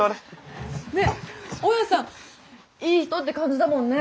ねえ大家さんいい人って感じだもんね。